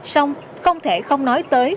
xong không thể không nói tới